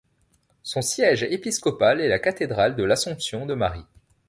Son siège épiscopal est la cathédrale de l'Assomption de Marie.